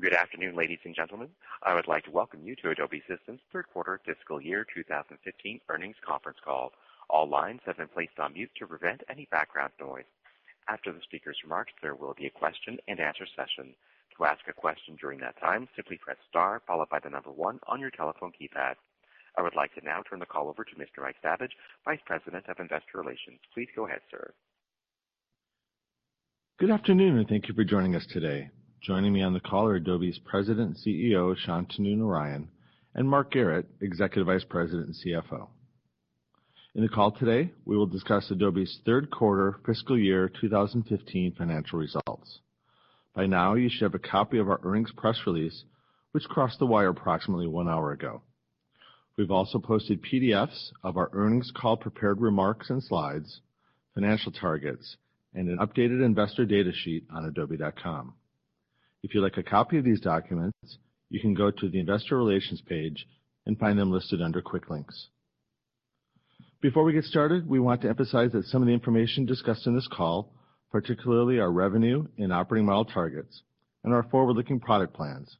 Good afternoon, ladies and gentlemen. I would like to welcome you to Adobe Systems' third quarter fiscal year 2015 earnings conference call. All lines have been placed on mute to prevent any background noise. After the speakers' remarks, there will be a question and answer session. To ask a question during that time, simply press star followed by the number one on your telephone keypad. I would like to now turn the call over to Mr. Mike Saviage, Vice President of Investor Relations. Please go ahead, sir. Good afternoon. Thank you for joining us today. Joining me on the call are Adobe's President and CEO, Shantanu Narayen, and Mark Garrett, Executive Vice President and CFO. In the call today, we will discuss Adobe's third quarter fiscal year 2015 financial results. By now, you should have a copy of our earnings press release, which crossed the wire approximately one hour ago. We've also posted PDFs of our earnings call prepared remarks and slides, financial targets, and an updated investor data sheet on adobe.com. If you'd like a copy of these documents, you can go to the investor relations page and find them listed under quick links. Before we get started, we want to emphasize that some of the information discussed on this call, particularly our revenue and operating model targets and our forward-looking product plans,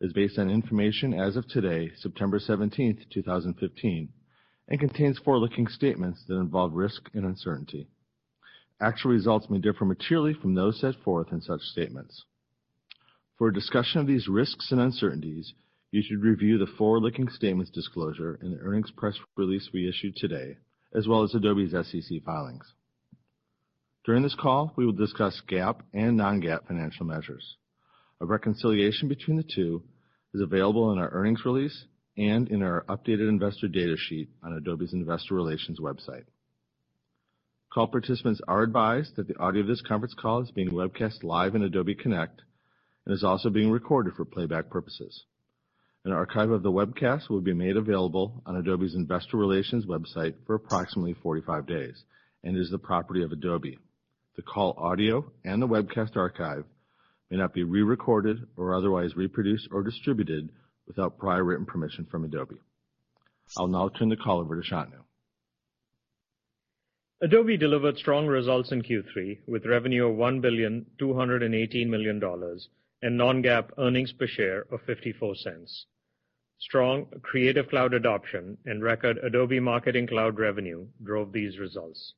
is based on information as of today, September 17th, 2015, and contains forward-looking statements that involve risk and uncertainty. Actual results may differ materially from those set forth in such statements. For a discussion of these risks and uncertainties, you should review the forward-looking statements disclosure in the earnings press release we issued today, as well as Adobe's SEC filings. During this call, we will discuss GAAP and non-GAAP financial measures. A reconciliation between the two is available in our earnings release and in our updated investor data sheet on Adobe's investor relations website. Call participants are advised that the audio of this conference call is being webcast live on Adobe Connect and is also being recorded for playback purposes. An archive of the webcast will be made available on Adobe's investor relations website for approximately 45 days and is the property of Adobe. The call audio and the webcast archive may not be re-recorded or otherwise reproduced or distributed without prior written permission from Adobe. I'll now turn the call over to Shantanu. Adobe delivered strong results in Q3, with revenue of $1,218,000,000 and non-GAAP earnings per share of $0.54. Strong Creative Cloud adoption and record Adobe Marketing Cloud revenue drove these results.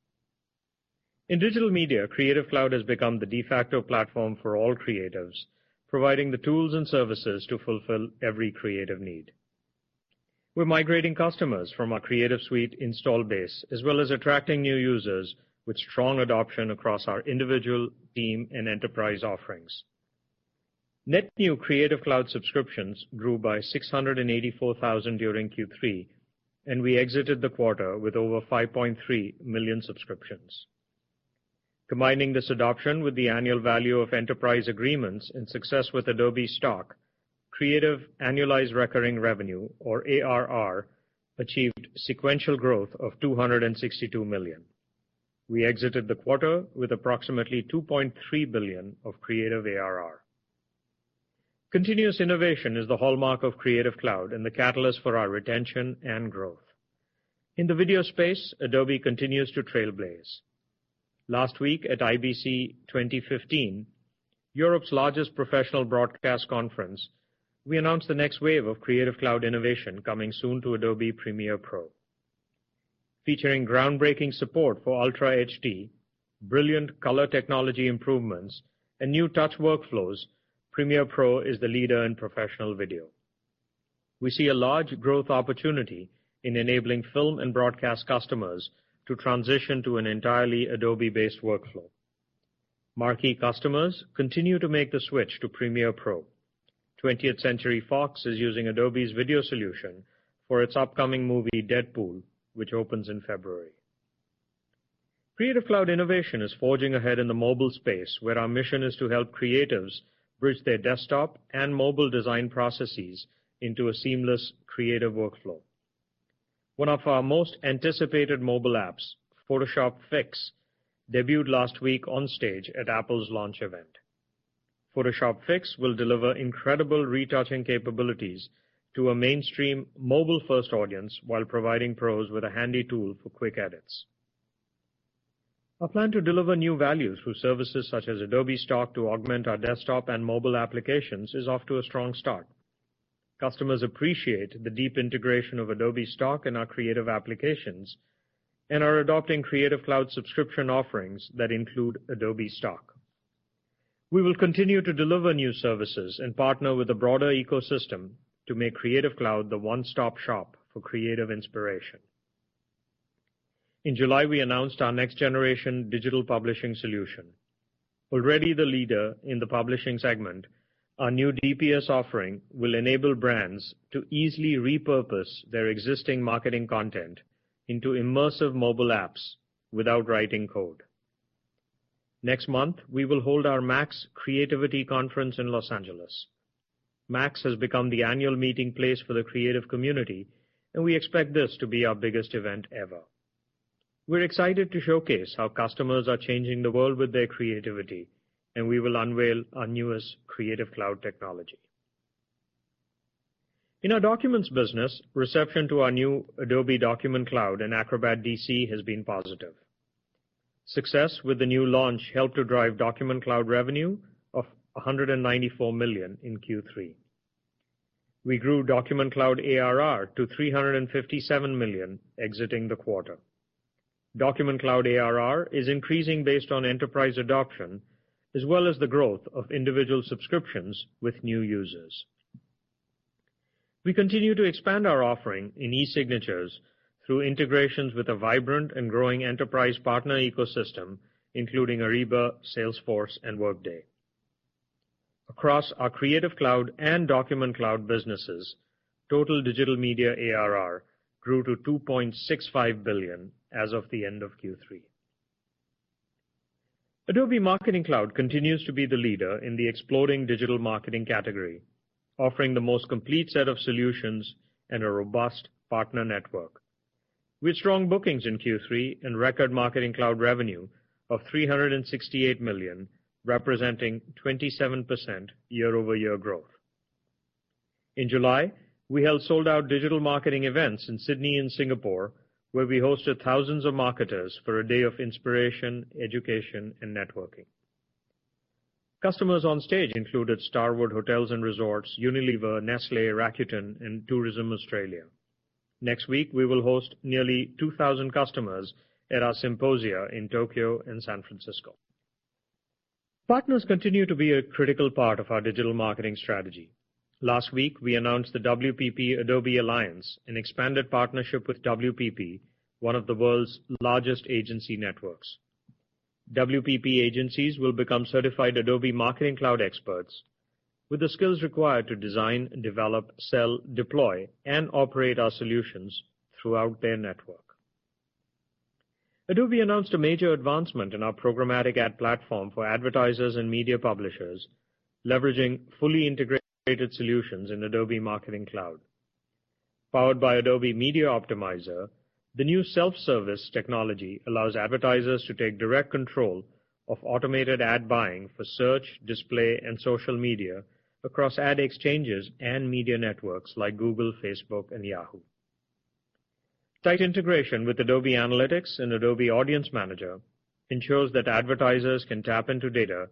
In Digital Media, Creative Cloud has become the de facto platform for all creatives, providing the tools and services to fulfill every creative need. We're migrating customers from our Creative Suite install base as well as attracting new users with strong adoption across our individual team and enterprise offerings. Net new Creative Cloud subscriptions grew by 684,000 during Q3, and we exited the quarter with over 5.3 million subscriptions. Combining this adoption with the annual value of enterprise agreements and success with Adobe Stock, creative annualized recurring revenue, or ARR, achieved sequential growth of $262 million. We exited the quarter with approximately $2.3 billion of creative ARR. Continuous innovation is the hallmark of Creative Cloud and the catalyst for our retention and growth. In the video space, Adobe continues to trailblaze. Last week at IBC 2015, Europe's largest professional broadcast conference, we announced the next wave of Creative Cloud innovation coming soon to Adobe Premiere Pro. Featuring groundbreaking support for Ultra HD, brilliant color technology improvements, and new touch workflows, Premiere Pro is the leader in professional video. We see a large growth opportunity in enabling film and broadcast customers to transition to an entirely Adobe-based workflow. Marquee customers continue to make the switch to Premiere Pro. 20th Century Fox is using Adobe's video solution for its upcoming movie "Deadpool," which opens in February. Creative Cloud innovation is forging ahead in the mobile space, where our mission is to help creatives bridge their desktop and mobile design processes into a seamless creative workflow. One of our most anticipated mobile apps, Photoshop Fix, debuted last week on stage at Apple's launch event. Photoshop Fix will deliver incredible retouching capabilities to a mainstream mobile-first audience while providing pros with a handy tool for quick edits. Our plan to deliver new value through services such as Adobe Stock to augment our desktop and mobile applications is off to a strong start. Customers appreciate the deep integration of Adobe Stock in our creative applications and are adopting Creative Cloud subscription offerings that include Adobe Stock. We will continue to deliver new services and partner with a broader ecosystem to make Creative Cloud the one-stop shop for creative inspiration. In July, we announced our next-generation Digital Publishing Solution. Already the leader in the publishing segment, our new DPS offering will enable brands to easily repurpose their existing marketing content into immersive mobile apps without writing code. Next month, we will hold our MAX creativity conference in L.A. MAX has become the annual meeting place for the creative community. We expect this to be our biggest event ever. We're excited to showcase how customers are changing the world with their creativity. We will unveil our newest Creative Cloud technology. In our documents business, reception to our new Adobe Document Cloud and Acrobat DC has been positive. Success with the new launch helped to drive Document Cloud revenue of $194 million in Q3. We grew Document Cloud ARR to $357 million exiting the quarter. Document Cloud ARR is increasing based on enterprise adoption, as well as the growth of individual subscriptions with new users. We continue to expand our offering in e-signatures through integrations with a vibrant and growing enterprise partner ecosystem, including Ariba, Salesforce, and Workday. Across our Creative Cloud and Document Cloud businesses, total Digital Media ARR grew to $2.65 billion as of the end of Q3. Adobe Marketing Cloud continues to be the leader in the exploding digital marketing category, offering the most complete set of solutions and a robust partner network. We had strong bookings in Q3 and record Marketing Cloud revenue of $368 million, representing 27% year-over-year growth. In July, we held sold-out digital marketing events in Sydney and Singapore, where we hosted thousands of marketers for a day of inspiration, education, and networking. Customers on stage included Starwood Hotels and Resorts, Unilever, Nestlé, Rakuten, and Tourism Australia. Next week, we will host nearly 2,000 customers at our symposia in Tokyo and San Francisco. Partners continue to be a critical part of our digital marketing strategy. Last week, we announced the WPP-Adobe Alliance, an expanded partnership with WPP, one of the world's largest agency networks. WPP agencies will become certified Adobe Marketing Cloud experts with the skills required to design, develop, sell, deploy, and operate our solutions throughout their network. Adobe announced a major advancement in our programmatic ad platform for advertisers and media publishers, leveraging fully integrated solutions in Adobe Marketing Cloud. Powered by Adobe Media Optimizer, the new self-service technology allows advertisers to take direct control of automated ad buying for search, display, and social media across ad exchanges and media networks like Google, Facebook, and Yahoo. Tight integration with Adobe Analytics and Adobe Audience Manager ensures that advertisers can tap into data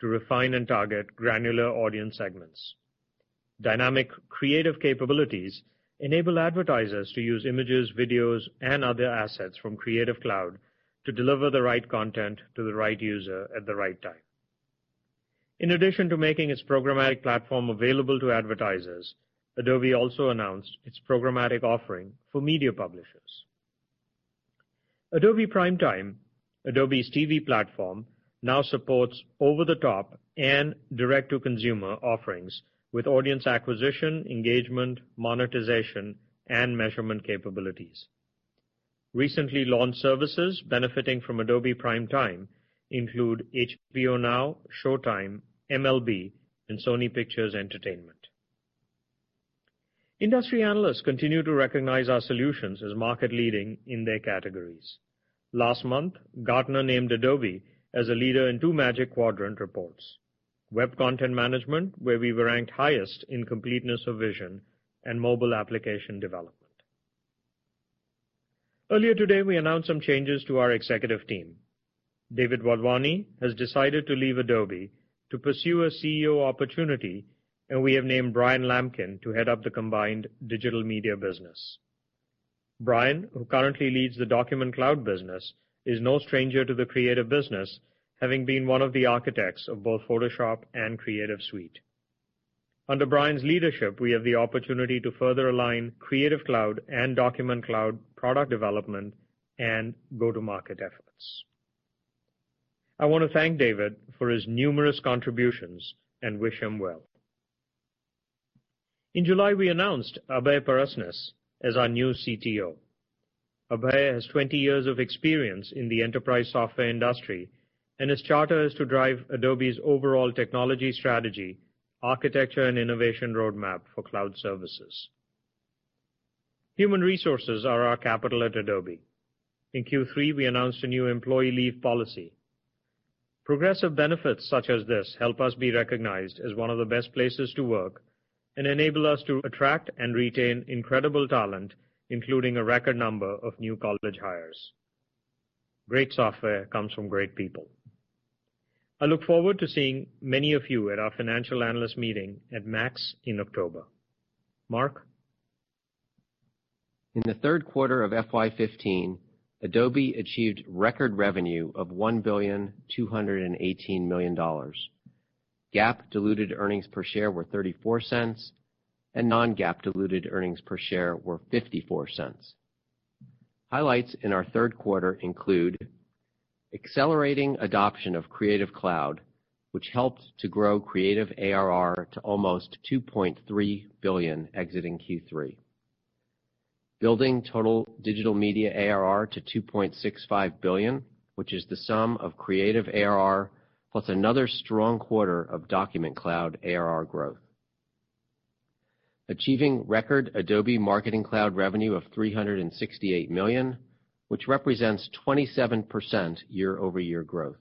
to refine and target granular audience segments. Dynamic creative capabilities enable advertisers to use images, videos, and other assets from Creative Cloud to deliver the right content to the right user at the right time. In addition to making its programmatic platform available to advertisers, Adobe also announced its programmatic offering for media publishers. Adobe Primetime, Adobe's TV platform, now supports over-the-top and direct-to-consumer offerings with audience acquisition, engagement, monetization, and measurement capabilities. Recently launched services benefiting from Adobe Primetime include HBO Now, Showtime, MLB, and Sony Pictures Entertainment. Industry analysts continue to recognize our solutions as market-leading in their categories. Last month, Gartner named Adobe as a leader in two Magic Quadrant reports: Web Content Management, where we were ranked highest in completeness of vision, and Mobile Application Development. Earlier today, we announced some changes to our executive team. David Wadhwani has decided to leave Adobe to pursue a CEO opportunity, and we have named Bryan Lamkin to head up the combined Digital Media business. Bryan, who currently leads the Document Cloud business, is no stranger to the creative business, having been one of the architects of both Photoshop and Creative Suite. Under Bryan's leadership, we have the opportunity to further align Creative Cloud and Document Cloud product development and go-to-market efforts. I want to thank David for his numerous contributions and wish him well. In July, we announced Abhay Parasnis as our new CTO. Abhay has 20 years of experience in the enterprise software industry, and his charter is to drive Adobe's overall technology strategy, architecture, and innovation roadmap for cloud services. Human resources are our capital at Adobe. In Q3, we announced a new employee leave policy. Progressive benefits such as this help us be recognized as one of the best places to work and enable us to attract and retain incredible talent, including a record number of new college hires. Great software comes from great people. I look forward to seeing many of you at our financial analyst meeting at MAX in October. Mark? In the third quarter of FY 2015, Adobe achieved record revenue of $1,218,000,000. GAAP diluted earnings per share were $0.34, and non-GAAP diluted earnings per share were $0.54. Highlights in our third quarter include accelerating adoption of Creative Cloud, which helped to grow Creative ARR to almost $2.3 billion exiting Q3. Building total Digital Media ARR to $2.65 billion, which is the sum of Creative ARR, plus another strong quarter of Document Cloud ARR growth. Achieving record Adobe Marketing Cloud revenue of $368 million, which represents 27% year-over-year growth.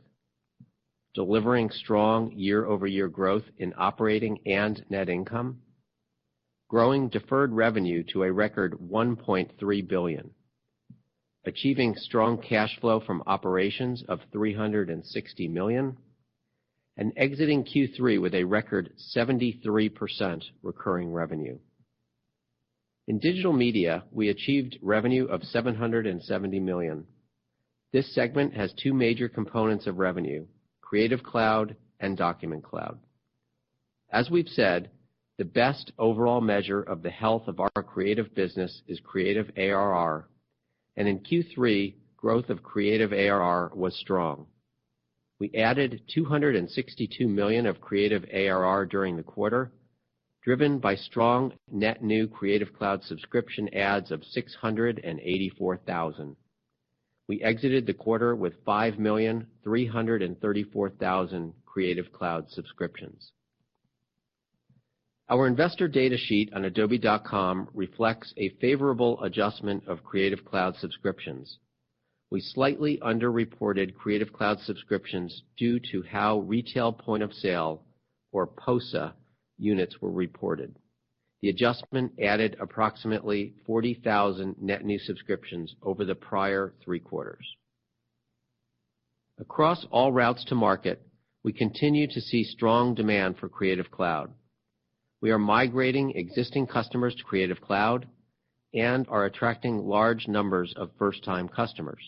Delivering strong year-over-year growth in operating and net income. Growing deferred revenue to a record $1.3 billion. Achieving strong cash flow from operations of $360 million. Exiting Q3 with a record 73% recurring revenue. In digital media, we achieved revenue of $770 million. This segment has two major components of revenue, Creative Cloud and Document Cloud. As we've said, the best overall measure of the health of our creative business is Creative ARR, and in Q3, growth of Creative ARR was strong. We added $262 million of Creative ARR during the quarter, driven by strong net new Creative Cloud subscription adds of 684,000. We exited the quarter with 5,334,000 Creative Cloud subscriptions. Our investor data sheet on adobe.com reflects a favorable adjustment of Creative Cloud subscriptions. We slightly under-reported Creative Cloud subscriptions due to how retail point of sale, or POSA, units were reported. The adjustment added approximately 40,000 net new subscriptions over the prior three quarters. Across all routes to market, we continue to see strong demand for Creative Cloud. We are migrating existing customers to Creative Cloud and are attracting large numbers of first-time customers.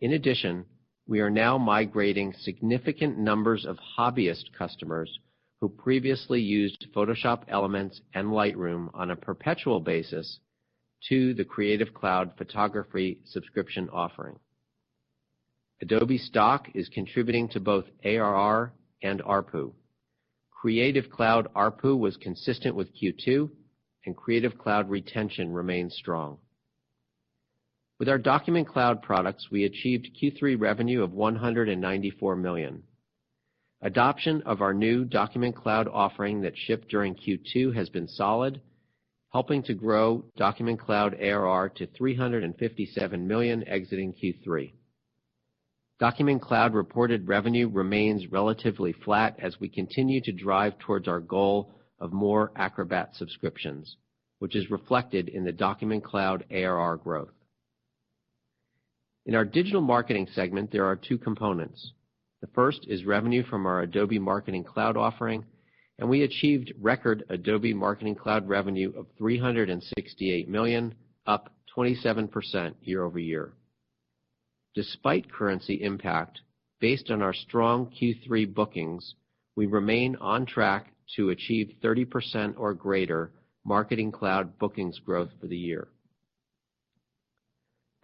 In addition, we are now migrating significant numbers of hobbyist customers who previously used Photoshop Elements and Lightroom on a perpetual basis to the Creative Cloud Photography subscription offering. Adobe Stock is contributing to both ARR and ARPU. Creative Cloud ARPU was consistent with Q2, and Creative Cloud retention remains strong. With our Document Cloud products, we achieved Q3 revenue of $194 million. Adoption of our new Document Cloud offering that shipped during Q2 has been solid, helping to grow Document Cloud ARR to $357 million exiting Q3. Document Cloud reported revenue remains relatively flat as we continue to drive towards our goal of more Acrobat subscriptions, which is reflected in the Document Cloud ARR growth. In our digital marketing segment, there are two components. The first is revenue from our Adobe Marketing Cloud offering. We achieved record Adobe Marketing Cloud revenue of $368 million, up 27% year-over-year. Despite currency impact, based on our strong Q3 bookings, we remain on track to achieve 30% or greater Marketing Cloud bookings growth for the year.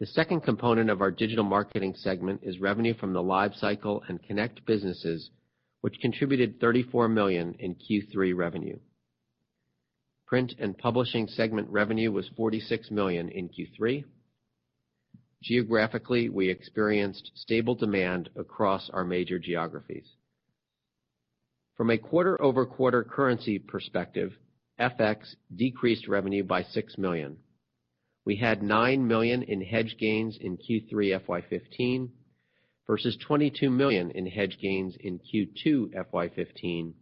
The second component of our Digital Marketing segment is revenue from the LiveCycle and Adobe Connect businesses, which contributed $34 million in Q3 revenue. Print and Publishing segment revenue was $46 million in Q3. Geographically, we experienced stable demand across our major geographies. From a quarter-over-quarter currency perspective, FX decreased revenue by $6 million. We had $9 million in hedge gains in Q3 FY 2015 versus $22 million in hedge gains in Q2 FY 2015,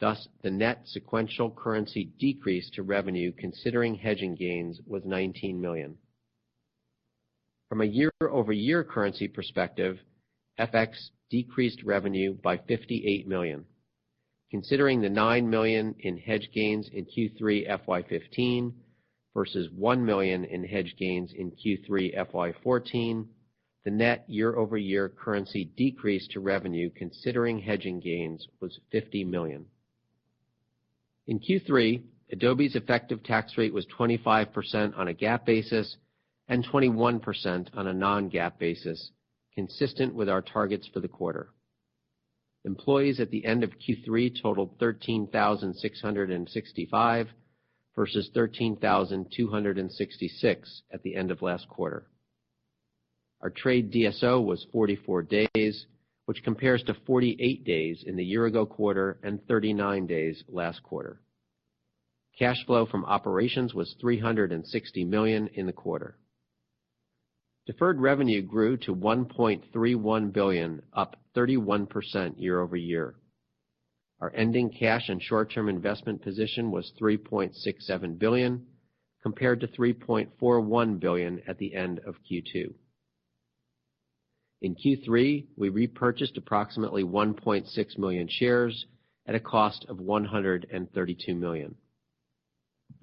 thus the net sequential currency decrease to revenue considering hedging gains was $19 million. From a year-over-year currency perspective, FX decreased revenue by $58 million. Considering the $9 million in hedge gains in Q3 FY 2015 versus $1 million in hedge gains in Q3 FY 2014, the net year-over-year currency decrease to revenue considering hedging gains was $50 million. In Q3, Adobe's effective tax rate was 25% on a GAAP basis and 21% on a non-GAAP basis, consistent with our targets for the quarter. Employees at the end of Q3 totaled 13,665 versus 13,266 at the end of last quarter. Our trade DSO was 44 days, which compares to 48 days in the year-ago quarter and 39 days last quarter. Cash flow from operations was $360 million in the quarter. Deferred revenue grew to $1.31 billion, up 31% year-over-year. Our ending cash and short-term investment position was $3.67 billion, compared to $3.41 billion at the end of Q2. In Q3, we repurchased approximately 1.6 million shares at a cost of $132 million.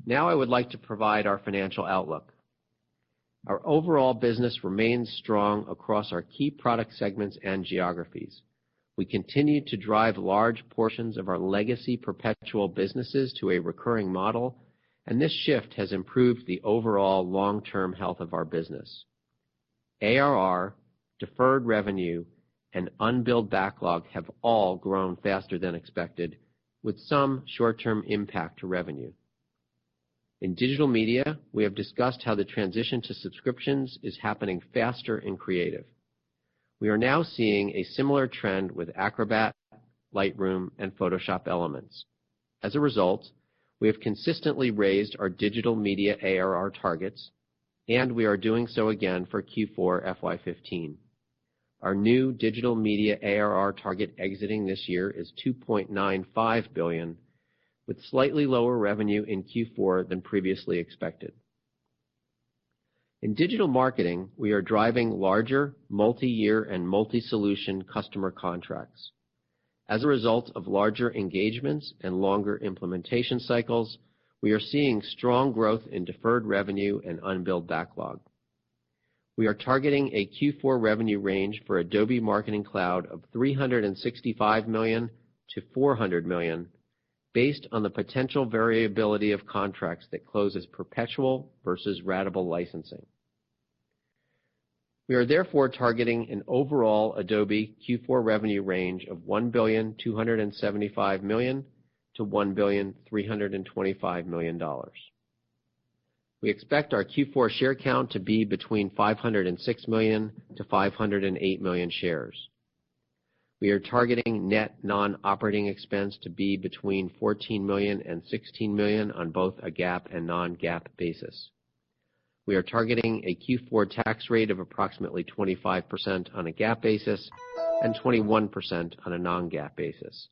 Now I would like to provide our financial outlook. Our overall business remains strong across our key product segments and geographies. We continue to drive large portions of our legacy perpetual businesses to a recurring model, and this shift has improved the overall long-term health of our business. ARR, deferred revenue, and unbilled backlog have all grown faster than expected, with some short-term impact to revenue. In Digital Media, we have discussed how the transition to subscriptions is happening faster in Creative. We are now seeing a similar trend with Acrobat, Lightroom, and Photoshop Elements. As a result, we have consistently raised our Digital Media ARR targets, and we are doing so again for Q4 FY 2015. Our new Digital Media ARR target exiting this year is $2.95 billion, with slightly lower revenue in Q4 than previously expected. In Digital Marketing, we are driving larger multi-year and multi-solution customer contracts. As a result of larger engagements and longer implementation cycles, we are seeing strong growth in deferred revenue and unbilled backlog. We are targeting a Q4 revenue range for Adobe Marketing Cloud of $365 million to $400 million based on the potential variability of contracts that close as perpetual versus ratable licensing. We are therefore targeting an overall Adobe Q4 revenue range of $1,275,000,000-$1,325,000,000. We expect our Q4 share count to be between 506 million to 508 million shares. We are targeting net non-operating expense to be between $14 million and $16 million on both a GAAP and non-GAAP basis. We are targeting a Q4 tax rate of approximately 25% on a GAAP basis and 21% on a non-GAAP basis.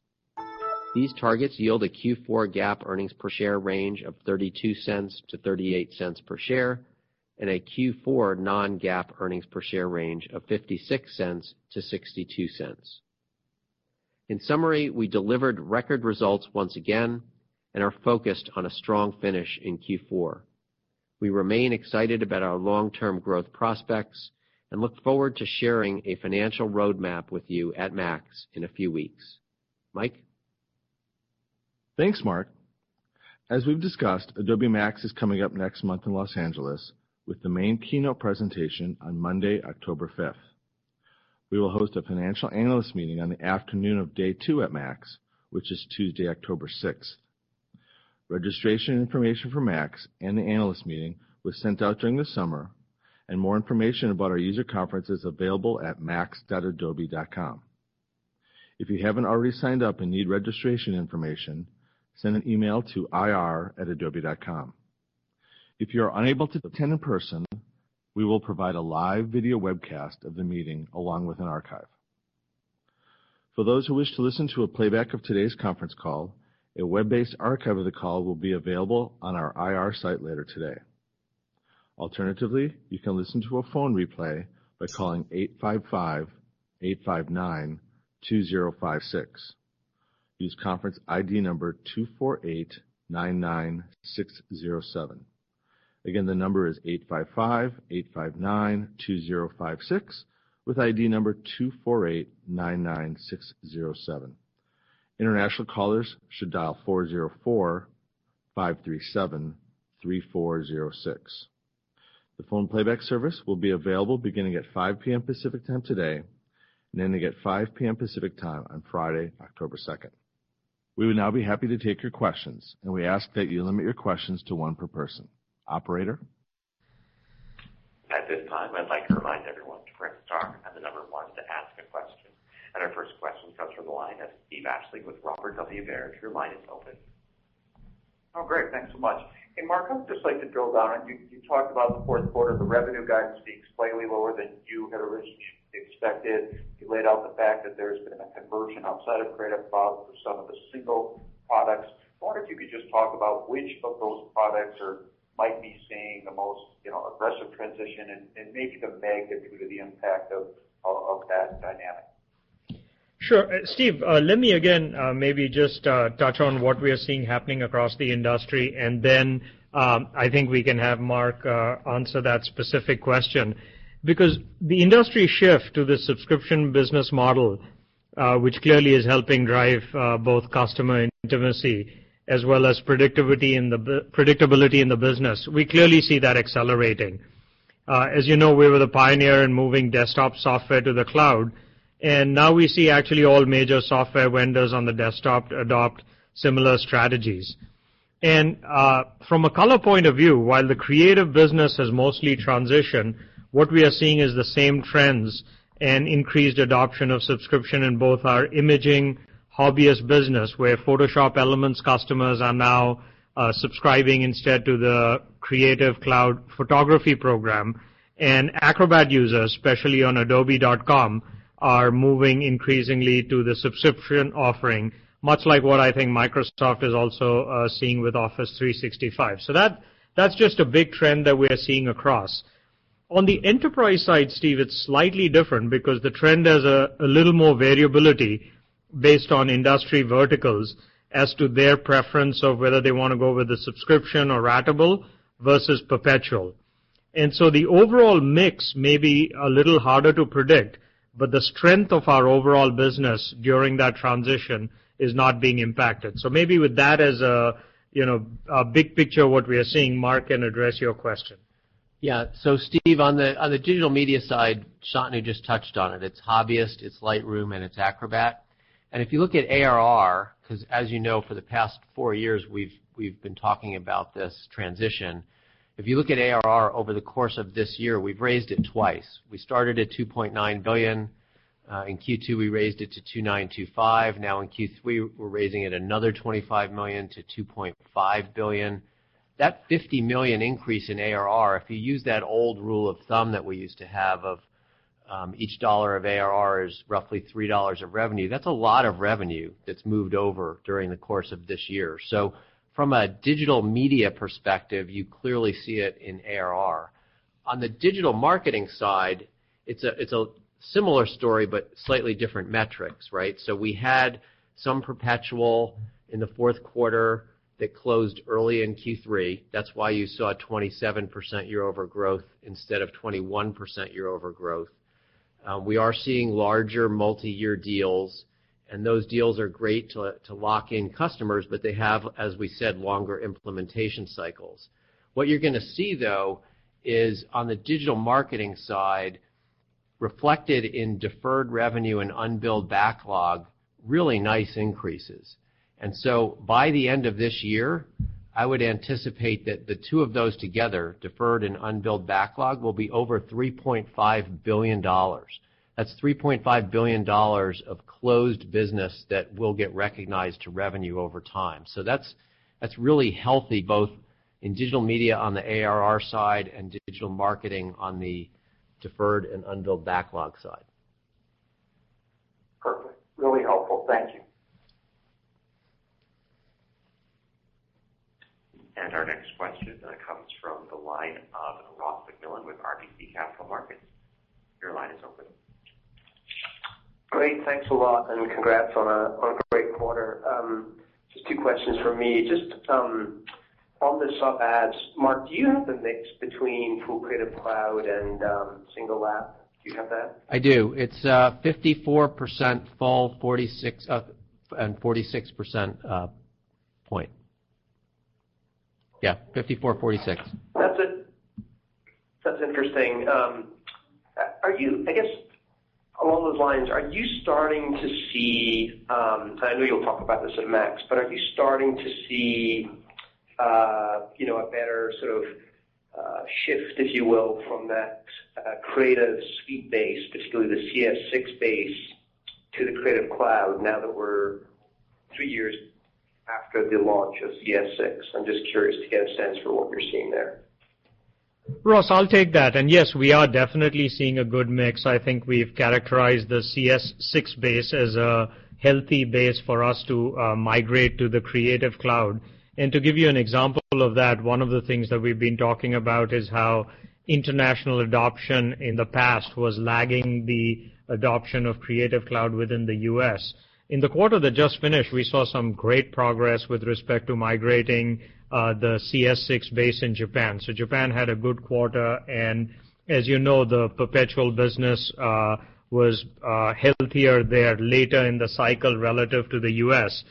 These targets yield a Q4 GAAP earnings per share range of $0.32-$0.38 per share and a Q4 non-GAAP earnings per share range of $0.56-$0.62. In summary, we delivered record results once again and are focused on a strong finish in Q4. We remain excited about our long-term growth prospects and look forward to sharing a financial roadmap with you at MAX in a few weeks. Mike? Thanks, Mark. As we've discussed, Adobe MAX is coming up next month in L.A., with the main keynote presentation on Monday, October 5th. We will host a financial analyst meeting on the afternoon of day two at MAX, which is Tuesday, October 6th. Registration information for MAX and the analyst meeting was sent out during the summer, and more information about our user conference is available at max.adobe.com. If you haven't already signed up and need registration information, send an email to ir@adobe.com. If you are unable to attend in person, we will provide a live video webcast of the meeting along with an archive. For those who wish to listen to a playback of today's conference call, a web-based archive of the call will be available on our IR site later today. Alternatively, you can listen to a phone replay by calling 855-859-2056. Use conference ID number 24899607. Again, the number is 855-859-2056, with ID number 24899607. International callers should dial 404-537-3406. The phone playback service will be available beginning at 5:00 P.M. Pacific Time today, and ending at 5:00 P.M. Pacific Time on Friday, October 2nd. We would now be happy to take your questions, and we ask that you limit your questions to one per person. Operator? At this time, I'd like to remind everyone to press star and the number one to ask a question. Our first question comes from the line of Steve Ashley with Robert W. Baird. Your line is open. Oh, great. Thanks so much. Hey, Mark, I would just like to drill down. You talked about the fourth quarter, the revenue guidance being slightly lower than you had originally expected. You laid out the fact that there's been a conversion outside of Creative Cloud for some of the single products. I wonder if you could just talk about which of those products might be seeing the most aggressive transition and maybe the magnitude of the impact of that dynamic. Sure. Steve, let me again maybe just touch on what we are seeing happening across the industry, and then I think we can have Mark answer that specific question. The industry shift to the subscription business model, which clearly is helping drive both customer intimacy as well as predictability in the business, we clearly see that accelerating. As you know, we were the pioneer in moving desktop software to the cloud, and now we see actually all major software vendors on the desktop adopt similar strategies. From a color point of view, while the creative business has mostly transitioned, what we are seeing is the same trends and increased adoption of subscription in both our imaging hobbyist business, where Photoshop Elements customers are now subscribing instead to the Creative Cloud Photography program. Acrobat users, especially on adobe.com, are moving increasingly to the subscription offering, much like what I think Microsoft is also seeing with Office 365. That's just a big trend that we're seeing across. On the enterprise side, Steve, it's slightly different because the trend has a little more variability based on industry verticals as to their preference of whether they want to go with a subscription or ratable versus perpetual. The overall mix may be a little harder to predict, but the strength of our overall business during that transition is not being impacted. Maybe with that as a big picture of what we are seeing, Mark can address your question. Yeah. Steve, on the digital media side, Shantanu just touched on it. It's Hobbyist, it's Lightroom, and it's Acrobat. If you look at ARR, as you know, for the past four years, we've been talking about this transition. If you look at ARR over the course of this year, we've raised it twice. We started at $2.9 billion. In Q2, we raised it to $2.925. Now in Q3, we're raising it another $25 million to $2.5 billion. That $50 million increase in ARR, if you use that old rule of thumb that we used to have of each dollar of ARR is roughly $3 of revenue, that's a lot of revenue that's moved over during the course of this year. From a digital media perspective, you clearly see it in ARR. On the digital marketing side, it's a similar story, but slightly different metrics, right? We had some perpetual in the fourth quarter that closed early in Q3. That's why you saw 27% year-over-growth instead of 21% year-over-growth. We are seeing larger multi-year deals, and those deals are great to lock in customers, but they have, as we said, longer implementation cycles. What you're going to see, though, is on the digital marketing side, reflected in deferred revenue and unbilled backlog, really nice increases. By the end of this year, I would anticipate that the two of those together, deferred and unbilled backlog, will be over $3.5 billion. That's $3.5 billion of closed business that will get recognized to revenue over time. That's really healthy, both in digital media on the ARR side and digital marketing on the deferred and unbilled backlog side. Perfect. Really helpful. Thank you. Our next question comes from the line of Ross MacMillan with RBC Capital Markets. Your line is open. Great. Thanks a lot and congrats on a great quarter. Just two questions from me. Just on the sub adds, Mark, do you have the mix between full Creative Cloud and single app? Do you have that? I do. It is 54% full and 46% point. Yeah, 54/46. That's it. That's interesting. I guess along those lines, are you starting to see, I know you'll talk about this at MAX, but are you starting to see a better sort of shift, if you will, from that Creative Suite base, particularly the CS6 base, to the Creative Cloud now that we're 2 years after the launch of CS6? I'm just curious to get a sense for what you're seeing there. Ross, I'll take that. Yes, we are definitely seeing a good mix. I think we've characterized the CS6 base as a healthy base for us to migrate to the Creative Cloud. To give you an example of that, one of the things that we've been talking about is how international adoption in the past was lagging the adoption of Creative Cloud within the U.S. In the quarter that just finished, we saw some great progress with respect to migrating the CS6 base in Japan. Japan had a good quarter, and as you know, the perpetual business was healthier there later in the cycle relative to the U.S.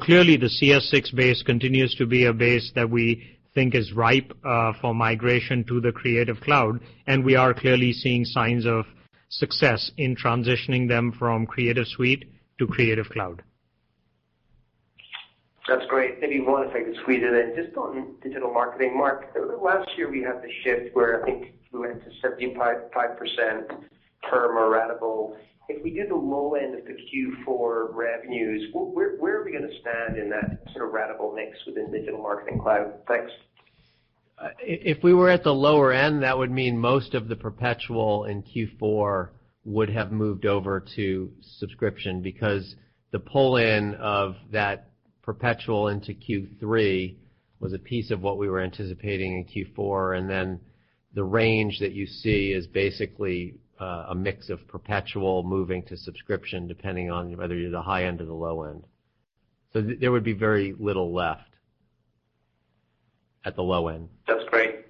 Clearly the CS6 base continues to be a base that we think is ripe for migration to the Creative Cloud, and we are clearly seeing signs of success in transitioning them from Creative Suite to Creative Cloud. That's great. Maybe one, if I could squeeze it in. Just on digital marketing, Mark, last year we had the shift where I think you went to 75% term or ratable. If we do the low end of the Q4 revenues, where are we going to stand in that sort of ratable mix within Adobe Marketing Cloud? Thanks. If we were at the lower end, that would mean most of the perpetual in Q4 would have moved over to subscription because the pull-in of that perpetual into Q3 was a piece of what we were anticipating in Q4, and then the range that you see is basically a mix of perpetual moving to subscription, depending on whether you're the high end or the low end. There would be very little left at the low end. That's great.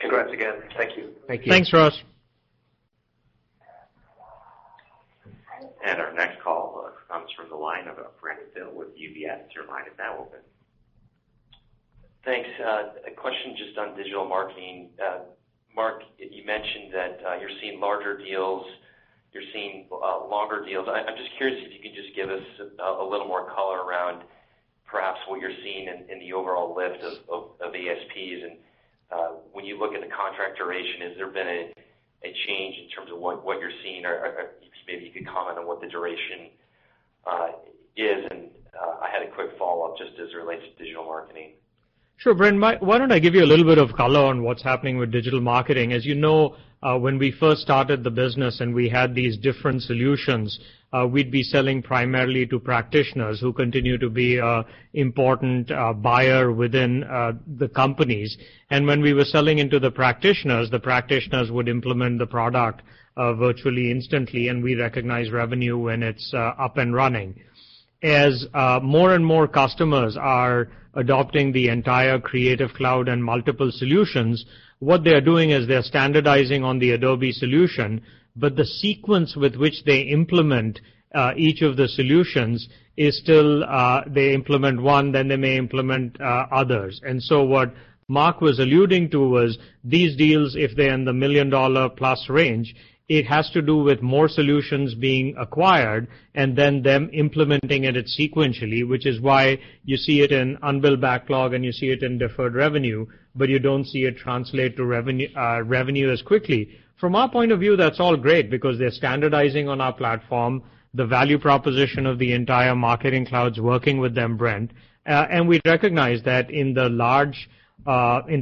Congrats again. Thank you. Thank you. Thanks, Ross. Our next call comes from the line of Brent Thill with UBS. Your line is now open. Thanks. A question just on digital marketing. Mark, you mentioned that you're seeing larger deals, you're seeing longer deals. I'm just curious if you could just give us a little more color around perhaps what you're seeing in the overall lift of ASPs, and when you look at the contract duration, has there been a change in terms of what you're seeing, or maybe you could comment on what the duration is, and I had a quick follow-up just as it relates to digital marketing. Sure, Brent. Why don't I give you a little bit of color on what's happening with digital marketing. As you know, when we first started the business and we had these different solutions, we'd be selling primarily to practitioners who continue to be an important buyer within the companies. When we were selling into the practitioners, the practitioners would implement the product virtually instantly, and we recognize revenue when it's up and running. As more and more customers are adopting the entire Creative Cloud and multiple solutions, what they're doing is they're standardizing on the Adobe solution, but the sequence with which they implement each of the solutions is still, they implement one, then they may implement others. What Mark was alluding to was these deals, if they're in the million-dollar plus range, it has to do with more solutions being acquired and then them implementing it sequentially, which is why you see it in unbilled backlog, and you see it in deferred revenue, but you don't see it translate to revenue as quickly. From our point of view, that's all great because they're standardizing on our platform, the value proposition of the entire Marketing Cloud is working with them, Brent. We recognize that in the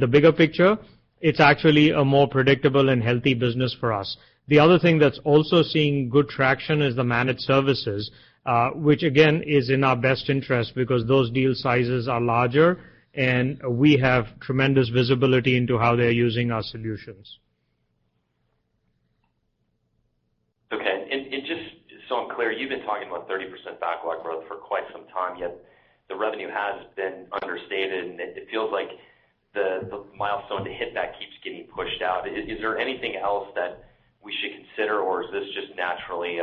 bigger picture, it's actually a more predictable and healthy business for us. The other thing that's also seeing good traction is the managed services, which again, is in our best interest because those deal sizes are larger, and we have tremendous visibility into how they're using our solutions. Just so I'm clear, you've been talking about 30% backlog growth for quite some time, yet the revenue has been understated, and it feels like the milestone to hit that keeps getting pushed out. Is there anything else that we should consider, or is this just naturally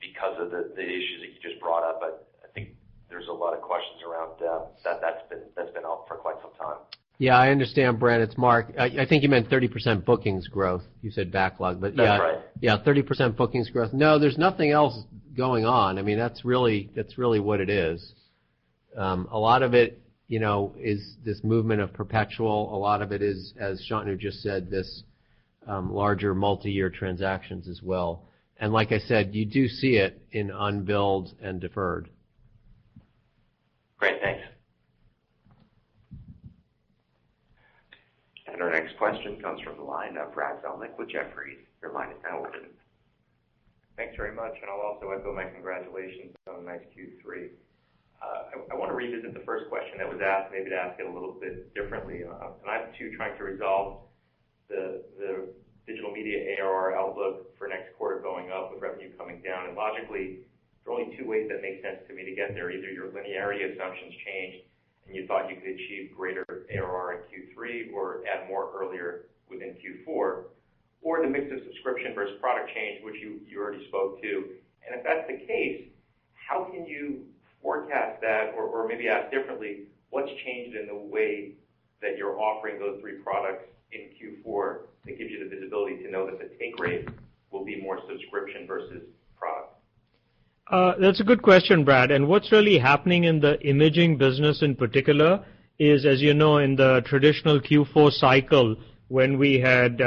because of the issues that you just brought up? I think there's a lot of questions around that. That's been up for quite some time. Yeah, I understand, Brent. It's Mark. I think you meant 30% bookings growth. You said backlog, but yeah. That's right. Yeah, 30% bookings growth. No, there's nothing else going on. That's really what it is. A lot of it is this movement of perpetual. A lot of it is, as Shantanu just said, this larger multi-year transactions as well. Like I said, you do see it in unbilled and deferred. Great. Thanks. Our next question comes from the line of Brad Zelnick with Jefferies. Your line is now open. Thanks very much, I'll also echo my congratulations on a nice Q3. I want to revisit the first question that was asked, maybe to ask it a little bit differently. I'm too trying to resolve the Digital Media ARR outlook for next quarter going up with revenue coming down. Logically, there are only two ways that make sense to me to get there. Either your linearity assumptions changed, you thought you could achieve greater ARR in Q3 or add more earlier within Q4, or the mix of subscription versus product change, which you already spoke to. If that's the case, how can you forecast that? Or maybe asked differently, what's changed in the way that you're offering those three products in Q4 that gives you the visibility to know that the take rate will be more subscription versus product? That's a good question, Brad, what's really happening in the imaging business in particular is, as you know, in the traditional Q4 cycle, when we had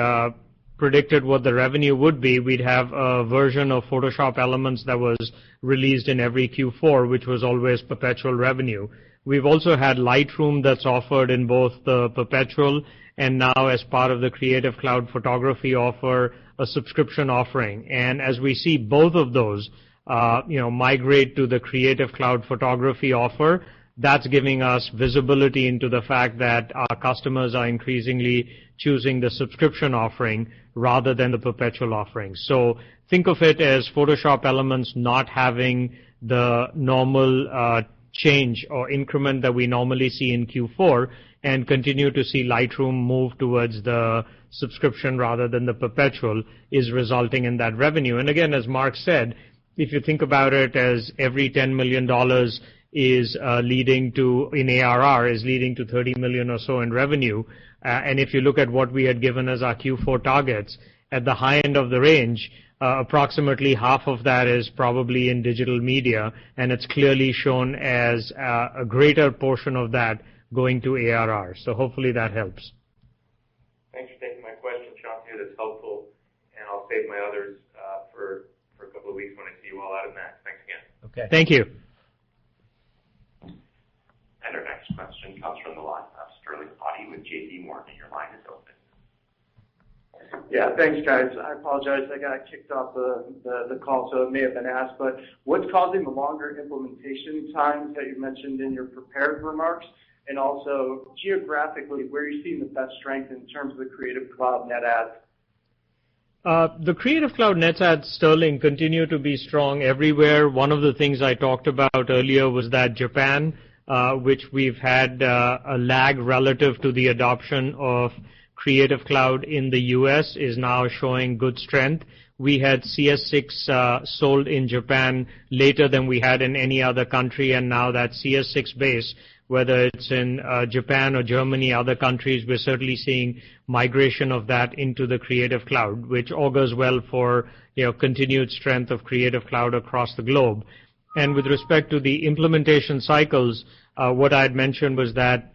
predicted what the revenue would be, we'd have a version of Photoshop Elements that was released in every Q4, which was always perpetual revenue. We've also had Lightroom that's offered in both the perpetual and now as part of the Creative Cloud Photography offer, a subscription offering. As we see both of those migrate to the Creative Cloud Photography offer, that's giving us visibility into the fact that our customers are increasingly choosing the subscription offering rather than the perpetual offering. Think of it as Photoshop Elements not having the normal change or increment that we normally see in Q4 and continue to see Lightroom move towards the subscription rather than the perpetual is resulting in that revenue. Again, as Mark said, if you think about it as every $10 million in ARR is leading to $30 million or so in revenue. If you look at what we had given as our Q4 targets, at the high end of the range, approximately half of that is probably in Digital Media, and it's clearly shown as a greater portion of that going to ARR. Hopefully that helps. Thanks for taking my question, Shantanu. That's helpful. I'll save my others for a couple of weeks when I see you all out at MAX. Thanks again. Okay. Thank you. Our next question comes from the line of Sterling Auty with J.P. Morgan. Your line is open. Thanks, guys. I apologize. I got kicked off the call. It may have been asked, what's causing the longer implementation times that you mentioned in your prepared remarks? Also geographically, where are you seeing the best strength in terms of the Creative Cloud net adds? The Creative Cloud net adds, Sterling, continue to be strong everywhere. One of the things I talked about earlier was that Japan, which we've had a lag relative to the adoption of Creative Cloud in the U.S., is now showing good strength. We had CS6 sold in Japan later than we had in any other country. Now that CS6 base, whether it's in Japan or Germany, other countries, we're certainly seeing migration of that into the Creative Cloud, which all goes well for continued strength of Creative Cloud across the globe. With respect to the implementation cycles, what I had mentioned was that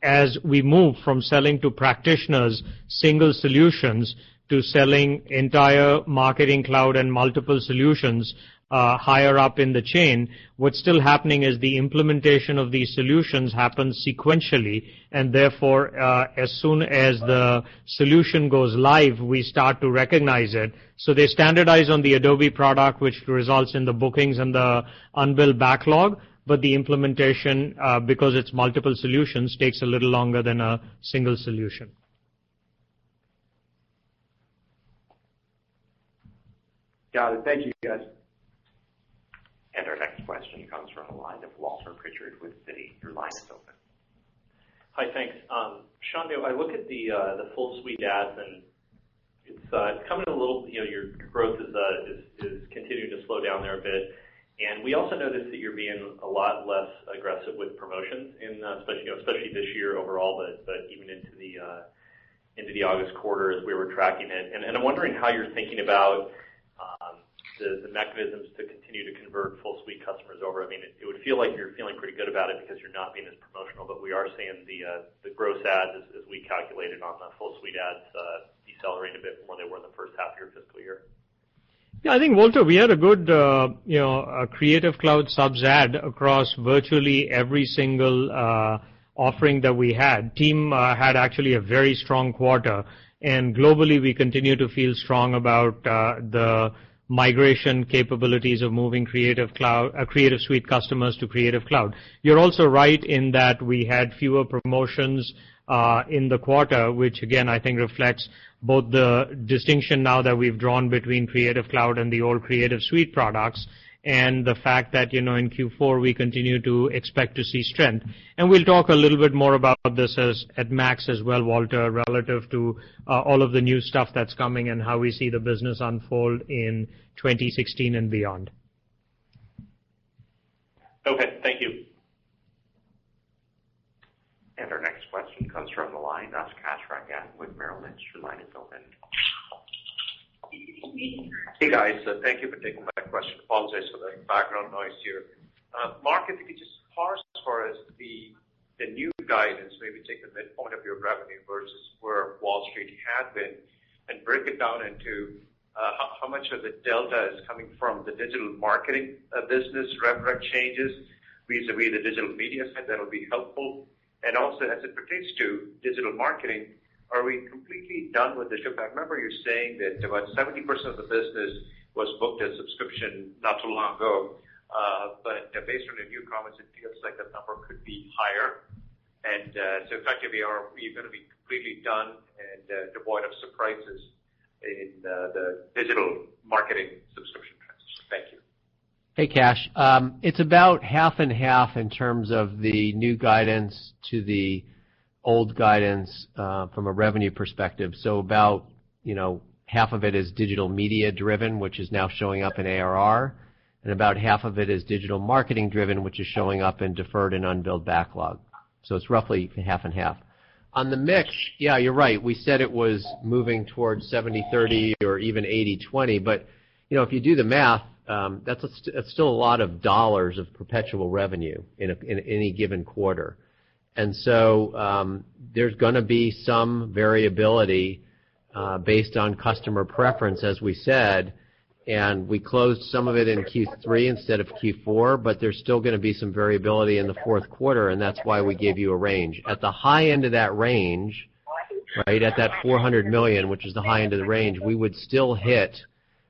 as we move from selling to practitioners single solutions to selling entire Marketing Cloud and multiple solutions higher up in the chain, what's still happening is the implementation of these solutions happens sequentially. Therefore, as soon as the solution goes live, we start to recognize it. They standardize on the Adobe product, which results in the bookings and the unbilled backlog, the implementation, because it's multiple solutions, takes a little longer than a single solution. Got it. Thank you, guys. Our next question comes from the line of Walter Pritchard with Citi. Your line is open. Hi. Thanks. Shantanu, I look at the full Suite ads, your growth is continuing to slow down there a bit. We also noticed that you're being a lot less aggressive with promotions, especially this year overall, but even into the August quarter as we were tracking it. I'm wondering how you're thinking about the mechanisms to continue to convert full Suite customers over. It would feel like you're feeling pretty good about it because you're not being as promotional, but we are seeing the gross ads as we calculate it on the full Suite ads, decelerate a bit from where they were in the first half of your fiscal year. Yeah, I think, Walter, we had a good Creative Cloud subs add across virtually every single offering that we had. Team had actually a very strong quarter, globally we continue to feel strong about the migration capabilities of moving Creative Suite customers to Creative Cloud. You're also right in that we had fewer promotions in the quarter, which again, I think reflects both the distinction now that we've drawn between Creative Cloud and the old Creative Suite products, the fact that, in Q4, we continue to expect to see strength. We'll talk a little bit more about this at MAX as well, Walter, relative to all of the new stuff that's coming and how we see the business unfold in 2016 and beyond. Okay. Thank you. Our next question comes from the line of Kash Rangan with Merrill Lynch. Your line is open. Hey, guys. Thank you for taking my question. Apologize for the background noise here. Mark, if you could just parse for us the new guidance, maybe take the midpoint of your revenue versus where Wall Street had been, and break it down into how much of the delta is coming from the digital marketing business rev rec changes vis-a-vis the digital media side, that will be helpful. Also, as it pertains to digital marketing, are we completely done with the shift? I remember you saying that about 70% of the business was booked as subscription not too long ago. Based on your new comments, it feels like that number could be higher. So effectively, are we going to be completely done and devoid of surprises in the digital marketing subscription transition? Thank you. Hey, Kash. It's about half and half in terms of the new guidance to the old guidance from a revenue perspective. About half of it is digital media-driven, which is now showing up in ARR, and about half of it is digital marketing-driven, which is showing up in deferred and unbilled backlog. It's roughly half and half. On the mix, yeah, you're right. We said it was moving towards 70/30 or even 80/20, but if you do the math, that's still a lot of $ of perpetual revenue in any given quarter. There's going to be some variability based on customer preference, as we said, and we closed some of it in Q3 instead of Q4, but there's still going to be some variability in the fourth quarter, and that's why we gave you a range. At the high end of that range, at that $400 million, which is the high end of the range, we would still hit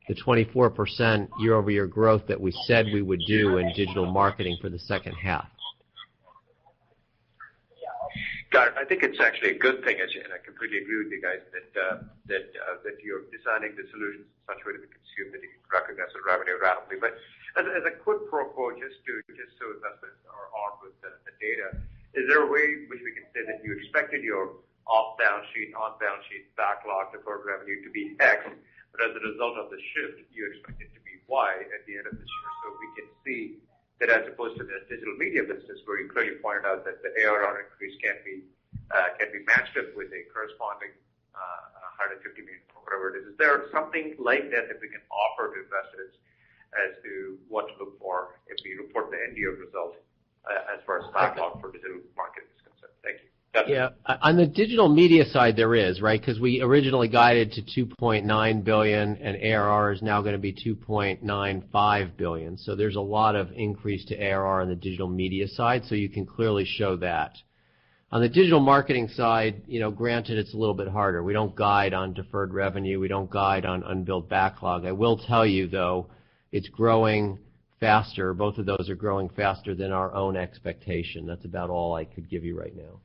the 24% year-over-year growth that we said we would do in digital marketing for the second half. Got it. I think it's actually a good thing, and I completely agree with you guys that you're designing the solutions in such a way that the consumer can recognize the revenue rapidly. As a quick pro quo, just so investors are on with the data, is there a way in which we can say that you expected your off-balance sheet, on-balance sheet backlog deferred revenue to be X, but as a result of the shift, you expect it to be Y at the end of this year? We can see that as opposed to the Digital Media business, where you clearly pointed out that the ARR increase can be matched up with a corresponding $150 million, or whatever it is. Is there something like that we can offer to investors as to what to look for if you report the end-year result as far as backlog for Digital Marketing is concerned? Thank you. Yeah. On the Digital Media side, there is, right? Because we originally guided to $2.9 billion, and ARR is now going to be $2.95 billion. There's a lot of increase to ARR on the Digital Media side. You can clearly show that. On the Digital Marketing side, granted, it's a little bit harder. We don't guide on deferred revenue. We don't guide on unbilled backlog. I will tell you, though, both of those are growing faster than our own expectation. That's about all I could give you right now.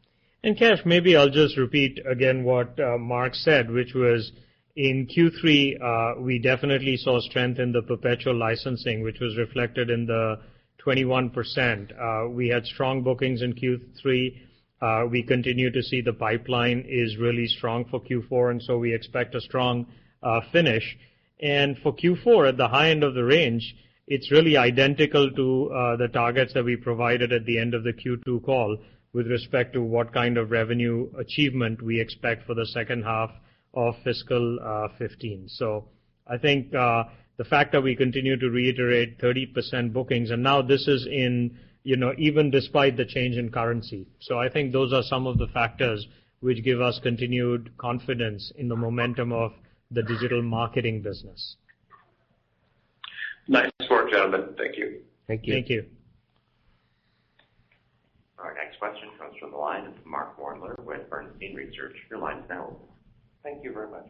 Kash, maybe I'll just repeat again what Mark said, which was in Q3, we definitely saw strength in the perpetual licensing, which was reflected in the 21%. We had strong bookings in Q3. We continue to see the pipeline is really strong for Q4, and so we expect a strong finish. For Q4, at the high end of the range, it's really identical to the targets that we provided at the end of the Q2 call with respect to what kind of revenue achievement we expect for the second half of fiscal 2015. I think the fact that we continue to reiterate 30% bookings, and now this is even despite the change in currency. I think those are some of the factors which give us continued confidence in the momentum of the Digital Marketing business. Nice work, gentlemen. Thank you. Thank you. Thank you. Our next question comes from the line of Mark Moerdler with Bernstein Research. Your line is now open. Thank you very much.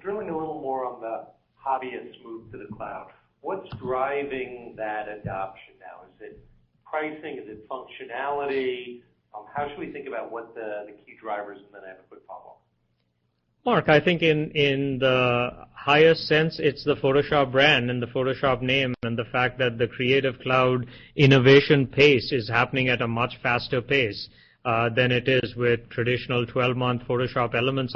Drilling a little more on the hobbyists' move to the cloud, what's driving that adoption now? Is it- Pricing? Is it functionality? How should we think about what the key drivers, and then I have a quick follow-up. Mark, I think in the highest sense, it's the Photoshop brand and the Photoshop name, and the fact that the Creative Cloud innovation pace is happening at a much faster pace than it is with traditional 12-month Photoshop Elements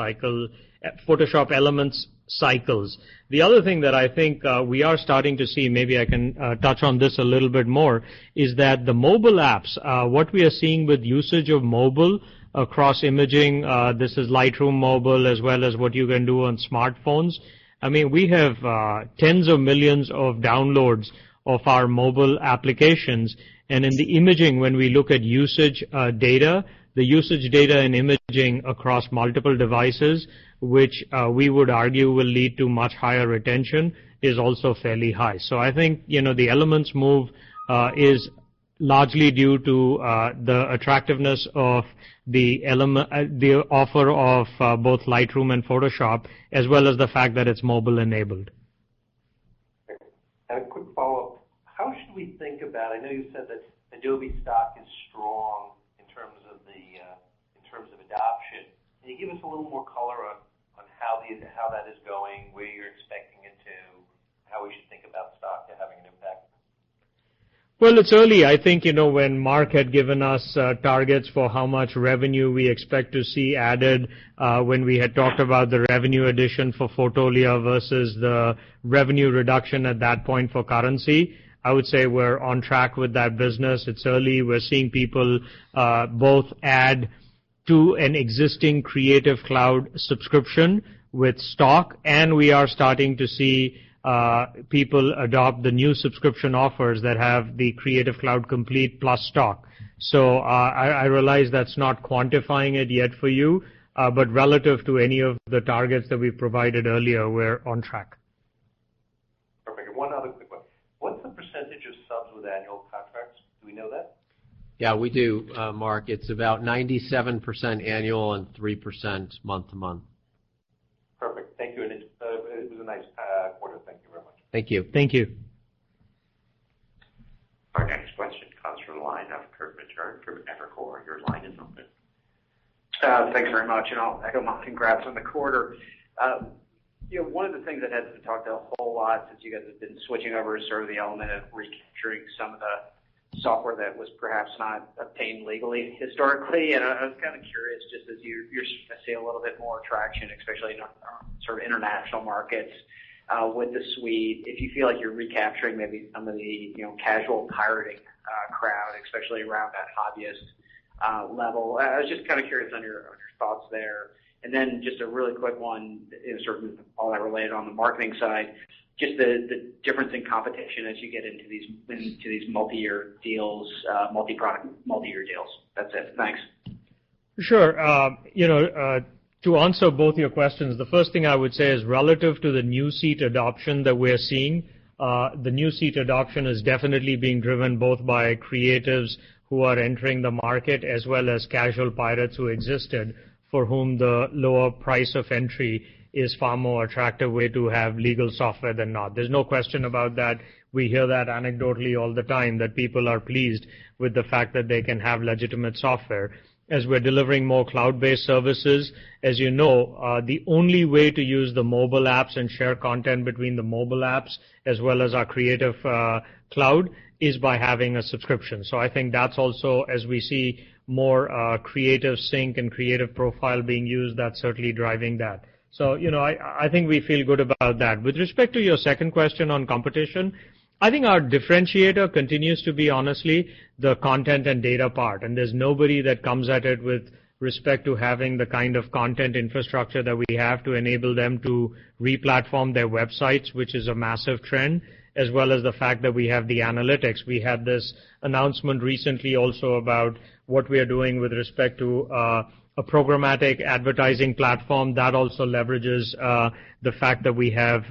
cycles. The other thing that I think we are starting to see, maybe I can touch on this a little bit more, is that the mobile apps, what we are seeing with usage of mobile across imaging, this is Lightroom mobile as well as what you can do on smartphones. We have tens of millions of downloads of our mobile applications. In the imaging, when we look at usage data, the usage data in imaging across multiple devices, which we would argue will lead to much higher retention, is also fairly high. I think, the Elements move is largely due to the attractiveness of the offer of both Lightroom and Photoshop, as well as the fact that it's mobile-enabled. A quick follow-up. How should we think about, I know you said that Adobe Stock is strong in terms of adoption. Can you give us a little more color on how that is going, where you're expecting it to, how we should think about Stock having an impact? Well, it's early. I think, when Mark had given us targets for how much revenue we expect to see added, when we had talked about the revenue addition for Fotolia versus the revenue reduction at that point for currency, I would say we're on track with that business. It's early. We're seeing people both add to an existing Creative Cloud subscription with Stock, and we are starting to see people adopt the new subscription offers that have the Creative Cloud Complete plus Stock. I realize that's not quantifying it yet for you. Relative to any of the targets that we provided earlier, we're on track. Perfect. One other quick one. What's the % of subs with annual contracts? Do we know that? Yeah, we do, Mark. It's about 97% annual and 3% month to month. Perfect. Thank you. It was a nice quarter. Thank you very much. Thank you. Thank you. Our next question comes from the line of Kirk Materne from Evercore. Your line is open. Thanks very much, I'll echo my congrats on the quarter. One of the things that hasn't been talked a whole lot since you guys have been switching over is sort of the element of recapturing some of the software that was perhaps not obtained legally historically. I was kind of curious, just as you're starting to see a little bit more traction, especially in sort of international markets, with the Suite, if you feel like you're recapturing maybe some of the casual pirating crowd, especially around that hobbyist level. I was just kind of curious on your thoughts there. Just a really quick one is certainly all that related on the marketing side, just the difference in competition as you get into these multi-year deals, multi-product, multi-year deals. That's it. Thanks. Sure. To answer both your questions, the first thing I would say is relative to the new seat adoption that we're seeing, the new seat adoption is definitely being driven both by creatives who are entering the market, as well as casual pirates who existed, for whom the lower price of entry is far more attractive way to have legal software than not. There's no question about that. We hear that anecdotally all the time, that people are pleased with the fact that they can have legitimate software. As we're delivering more cloud-based services, as you know, the only way to use the mobile apps and share content between the mobile apps as well as our Creative Cloud is by having a subscription. I think that's also, as we see more CreativeSync and Creative Profile being used, that's certainly driving that. I think we feel good about that. With respect to your second question on competition, I think our differentiator continues to be, honestly, the content and data part, and there's nobody that comes at it with respect to having the kind of content infrastructure that we have to enable them to re-platform their websites, which is a massive trend, as well as the fact that we have the analytics. We had this announcement recently also about what we are doing with respect to a programmatic advertising platform that also leverages the fact that we have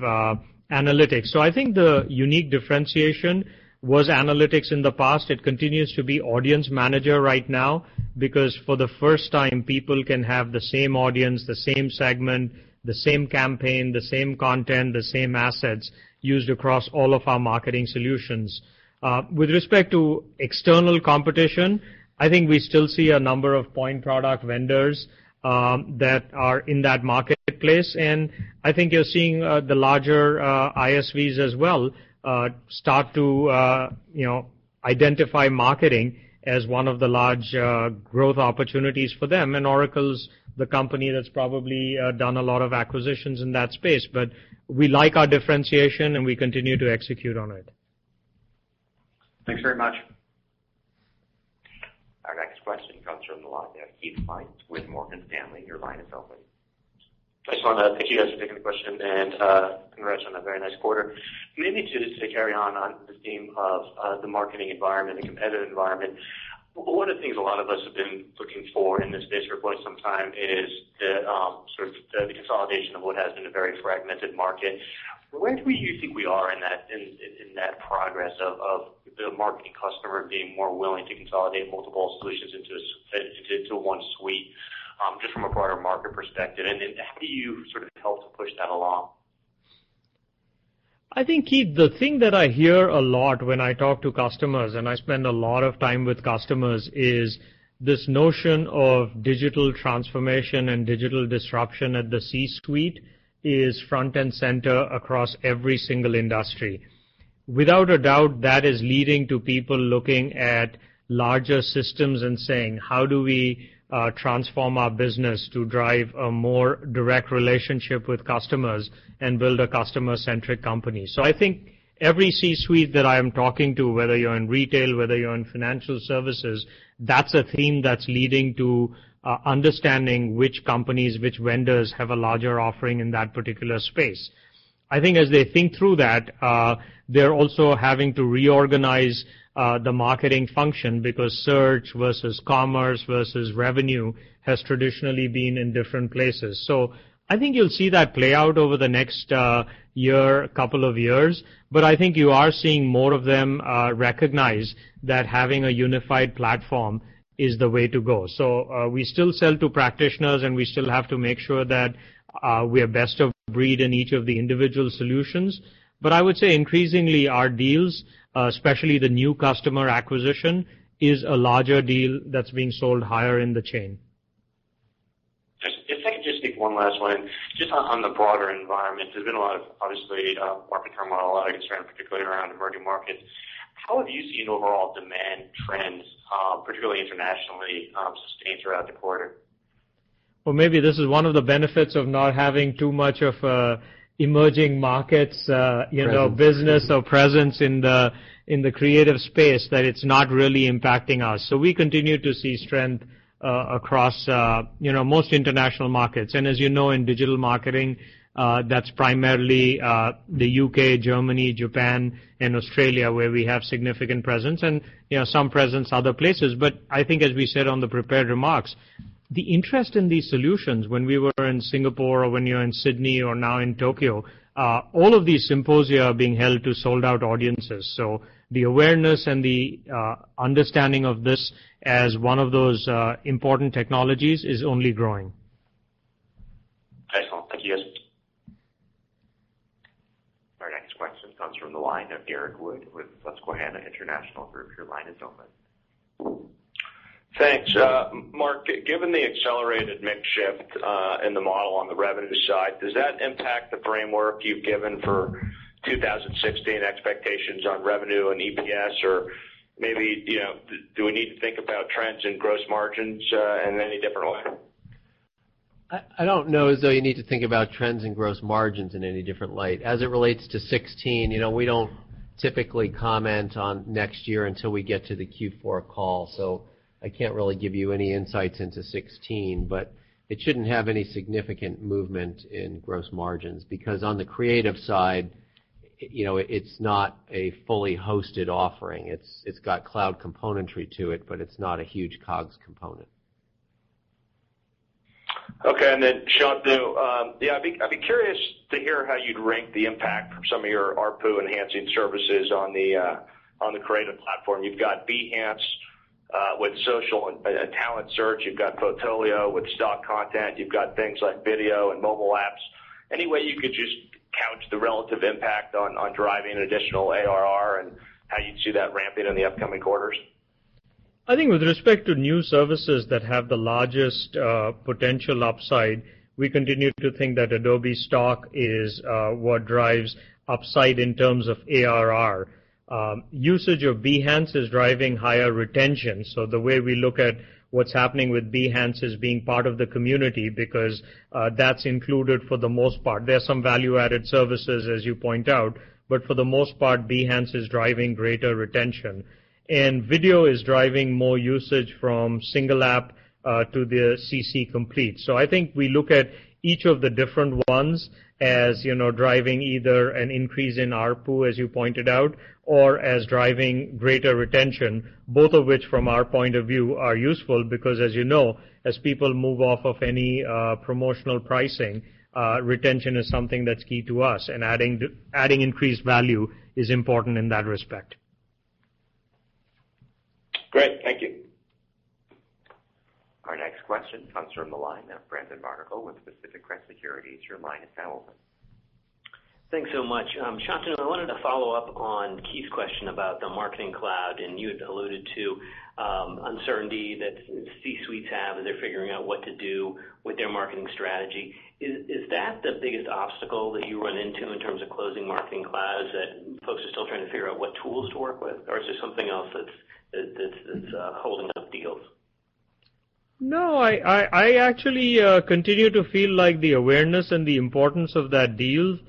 analytics. I think the unique differentiation was analytics in the past. It continues to be Audience Manager right now, because for the first time, people can have the same audience, the same segment, the same campaign, the same content, the same assets used across all of our marketing solutions. With respect to external competition, I think we still see a number of point product vendors that are in that marketplace, and I think you're seeing the larger ISVs as well start to identify marketing as one of the large growth opportunities for them. Oracle's the company that's probably done a lot of acquisitions in that space. We like our differentiation, and we continue to execute on it. Thanks very much. Our next question comes from the line of Keith Weiss with Morgan Stanley. Your line is open. I just want to thank you guys for taking the question and congrats on a very nice quarter. Maybe just to carry on the theme of the marketing environment, the competitive environment. One of the things a lot of us have been looking for in this space for quite some time is the sort of the consolidation of what has been a very fragmented market. Where do you think we are in that progress of the marketing customer being more willing to consolidate multiple solutions into one suite, just from a broader market perspective? How do you sort of help to push that along? I think, Keith, the thing that I hear a lot when I talk to customers, and I spend a lot of time with customers, is this notion of digital transformation and digital disruption at the C-suite is front and center across every single industry. Without a doubt, that is leading to people looking at larger systems and saying, "How do we transform our business to drive a more direct relationship with customers and build a customer-centric company?" I think every C-suite that I am talking to, whether you're in retail, whether you're in financial services, that's a theme that's leading to understanding which companies, which vendors have a larger offering in that particular space. I think as they think through that, they're also having to reorganize the marketing function because search versus commerce versus revenue has traditionally been in different places. I think you'll see that play out over the next year, couple of years. I think you are seeing more of them recognize that having a unified platform is the way to go. We still sell to practitioners, and we still have to make sure that we are best of breed in each of the individual solutions. I would say increasingly our deals, especially the new customer acquisition, is a larger deal that's being sold higher in the chain. If I could just take one last one, just on the broader environment, there's been a lot of, obviously, market turmoil, a lot of concern, particularly around emerging markets. How have you seen overall demand trends, particularly internationally, sustained throughout the quarter? Maybe this is one of the benefits of not having too much of emerging markets- Presence business or presence in the creative space, that it's not really impacting us. We continue to see strength across most international markets. As you know, in digital marketing, that's primarily the U.K., Germany, Japan, and Australia, where we have significant presence and some presence other places. I think as we said on the prepared remarks, the interest in these solutions when we were in Singapore or when you're in Sydney or now in Tokyo, all of these symposia are being held to sold-out audiences. The awareness and the understanding of this as one of those important technologies is only growing. Excellent. Thank you, guys. Our next question comes from the line of Eric Wood with Susquehanna International Group. Your line is open. Thanks. Mark, given the accelerated mix shift in the model on the revenue side, does that impact the framework you've given for 2016 expectations on revenue and EPS? Maybe, do we need to think about trends in gross margins in any different light? I don't know as though you need to think about trends in gross margins in any different light. As it relates to 2016, we don't typically comment on next year until we get to the Q4 call, so I can't really give you any insights into 2016. It shouldn't have any significant movement in gross margins, because on the creative side, it's not a fully hosted offering. It's got cloud componentry to it, but it's not a huge COGS component. Okay, Shantanu, I'd be curious to hear how you'd rank the impact from some of your ARPU-enhancing services on the creative platform. You've got Behance with social and Talent search. You've got Fotolia with stock content. You've got things like video and mobile apps. Any way you could just couch the relative impact on driving additional ARR and how you'd see that ramping in the upcoming quarters? I think with respect to new services that have the largest potential upside, we continue to think that Adobe Stock is what drives upside in terms of ARR. Usage of Behance is driving higher retention, the way we look at what's happening with Behance is being part of the community because that's included for the most part. There are some value-added services, as you point out, but for the most part, Behance is driving greater retention. Video is driving more usage from single app to the CC Complete. I think we look at each of the different ones as driving either an increase in ARPU, as you pointed out, or as driving greater retention, both of which, from our point of view, are useful because as you know, as people move off of any promotional pricing, retention is something that's key to us, and adding increased value is important in that respect. Great, thank you. Our next question comes from the line of Brendan Barnicle with Pacific Crest Securities. Your line is now open. Thanks so much. Shantanu, I wanted to follow up on Keith's question about the Marketing Cloud. You had alluded to uncertainty that C-suites have as they're figuring out what to do with their marketing strategy. Is that the biggest obstacle that you run into in terms of closing Marketing Cloud? Is it folks are still trying to figure out what tools to work with, or is there something else that's holding up deals? I actually continue to feel like the awareness and the importance of that deal is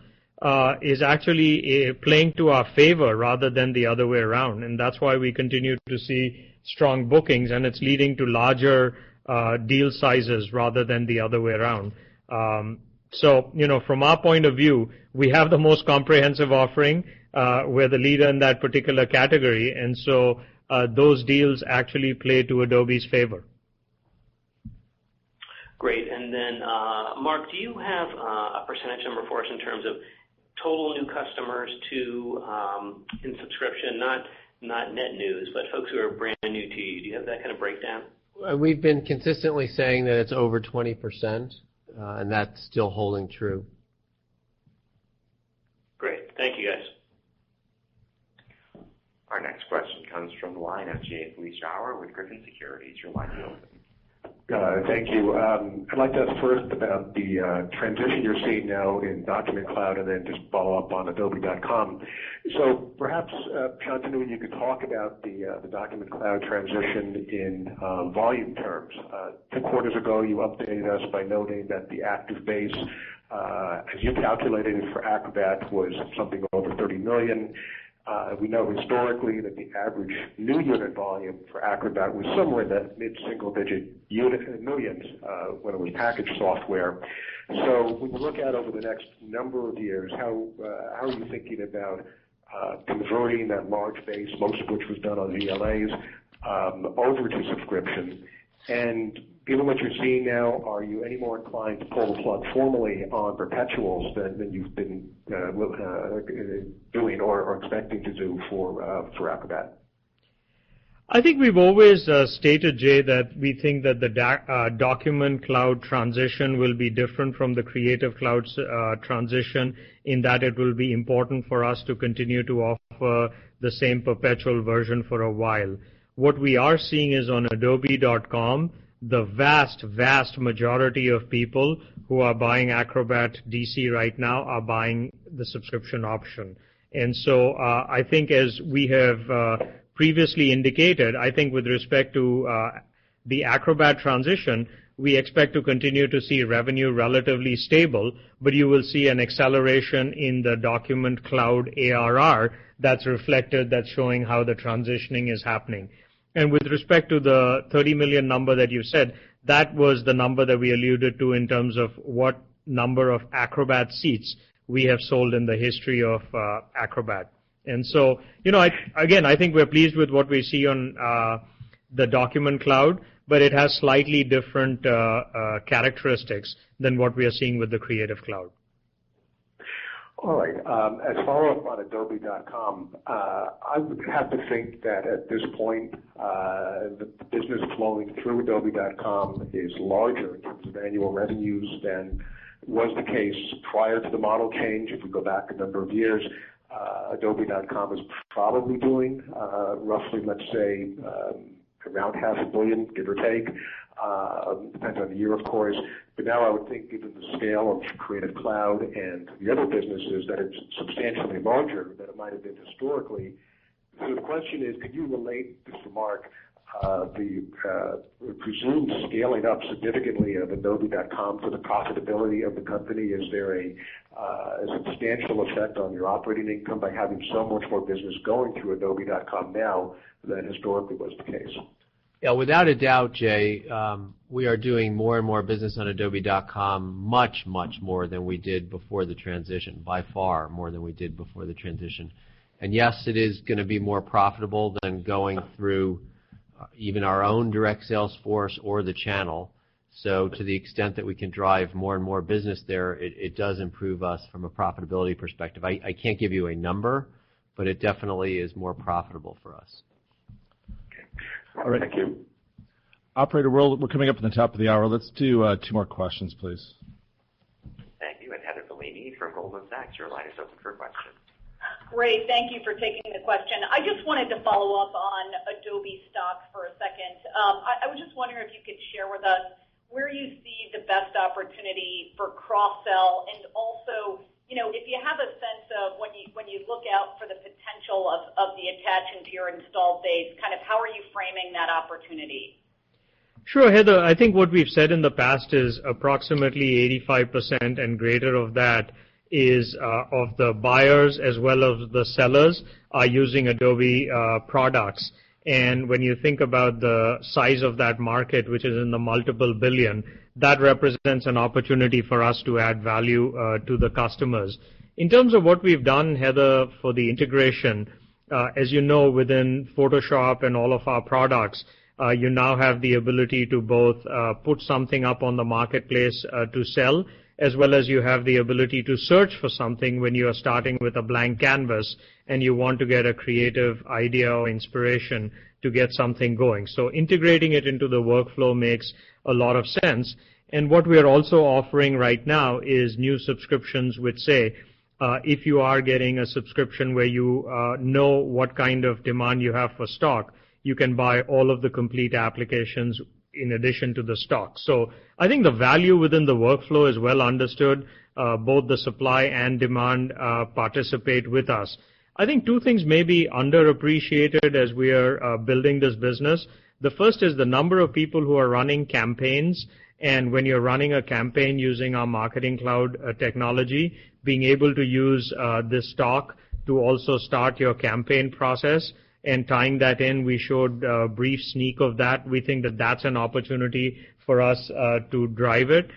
actually playing to our favor rather than the other way around. That's why we continue to see strong bookings. It's leading to larger deal sizes rather than the other way around. From our point of view, we have the most comprehensive offering. We're the leader in that particular category. Those deals actually play to Adobe's favor. Great. Mark, do you have a percentage number for us in terms of total new customers in subscription, not net news, but folks who are brand new to you? Do you have that kind of breakdown? We've been consistently saying that it's over 20%, that's still holding true. Line of Jay Vleeschhouwer with Griffin Securities. Your line is open. Thank you. I'd like to ask first about the transition you're seeing now in Document Cloud, then just follow up on adobe.com. Perhaps, Shantanu, you could talk about the Document Cloud transition in volume terms. Two quarters ago, you updated us by noting that the active base, as you calculated it for Acrobat, was something over 30 million. We know historically that the average new unit volume for Acrobat was somewhere in that mid-single-digit unit in millions when it was packaged software. When we look out over the next number of years, how are you thinking about converting that large base, most of which was done on ELA's, over to subscription? Given what you're seeing now, are you any more inclined to pull the plug formally on perpetuals than you've been doing or expecting to do for Acrobat? I think we've always stated, Jay, that we think that the Document Cloud transition will be different from the Creative Cloud transition, in that it will be important for us to continue to offer the same perpetual version for a while. What we are seeing is on adobe.com, the vast majority of people who are buying Acrobat DC right now are buying the subscription option. I think as we have previously indicated, I think with respect to the Acrobat transition, we expect to continue to see revenue relatively stable, but you will see an acceleration in the Document Cloud ARR that's reflected, that's showing how the transitioning is happening. With respect to the 30 million number that you said, that was the number that we alluded to in terms of what number of Acrobat seats we have sold in the history of Acrobat. Again, I think we're pleased with what we see on the Document Cloud, but it has slightly different characteristics than what we are seeing with the Creative Cloud. All right. As a follow-up on adobe.com, I would have to think that at this point, the business flowing through adobe.com is larger in terms of annual revenues than was the case prior to the model change. If we go back a number of years, adobe.com is probably doing roughly, let's say, around half a billion, give or take, depends on the year, of course. Now I would think given the scale of Creative Cloud and the other businesses, that it's substantially larger than it might have been historically. The question is, could you relate, Mr. Mark, the presumed scaling up significantly of adobe.com for the profitability of the company? Is there a substantial effect on your operating income by having so much more business going through adobe.com now than historically was the case? Yeah, without a doubt, Jay, we are doing more and more business on adobe.com much more than we did before the transition, by far more than we did before the transition. Yes, it is going to be more profitable than going through even our own direct sales force or the channel. To the extent that we can drive more and more business there, it does improve us from a profitability perspective. I can't give you a number, but it definitely is more profitable for us. Okay. Thank you. Operator, we're coming up on the top of the hour. Let's do two more questions, please. Thank you. Heather Bellini from Goldman Sachs, your line is open for questions. Great. Thank you for taking the question. I just wanted to follow up on Adobe Stock for a second. I was just wondering if you could share with us where you see the best opportunity for cross-sell, and also if you have a sense of when you look out for the potential of the attach into your installed base, how are you framing that opportunity? Sure, Heather. I think what we've said in the past is approximately 85% and greater of that is of the buyers as well as the sellers are using Adobe products. When you think about the size of that market, which is in the multiple billion, that represents an opportunity for us to add value to the customers. In terms of what we've done, Heather, for the integration, as you know, within Photoshop and all of our products, you now have the ability to both put something up on the marketplace to sell, as well as you have the ability to search for something when you are starting with a blank canvas and you want to get a creative idea or inspiration to get something going. Integrating it into the workflow makes a lot of sense. What we are also offering right now is new subscriptions, which say, if you are getting a subscription where you know what kind of demand you have for Stock, you can buy all of the complete applications in addition to the Stock. I think the value within the workflow is well understood. Both the supply and demand participate with us. I think two things may be underappreciated as we are building this business. The first is the number of people who are running campaigns, and when you're running a campaign using our Marketing Cloud technology, being able to use the Stock to also start your campaign process. Tying that in, we showed a brief sneak of that. We think that that's an opportunity for us to drive it.